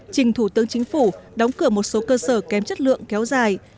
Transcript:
trình thủ tướng chính phủ đóng cửa một số cơ sở kém chất lượng kéo dài